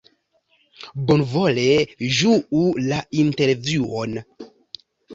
Bonvole ĝuu la intervjuon!